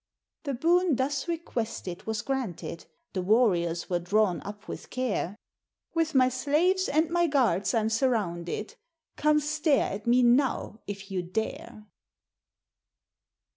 The boon thus requested was granted. The warriors were drawn up with care, " With my slaves and my guards I'm surrounded, Come, stare at me now, if you dare